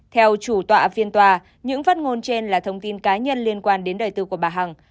theo chủ tọa phiên tòa những phát ngôn trên là thông tin cá nhân liên quan đến đời tư của bà hằng